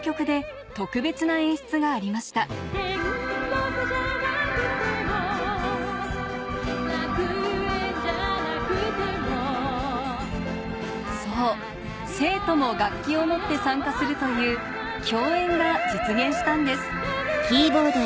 楽園じゃなくてもそう生徒も楽器を持って参加するという共演が実現したんです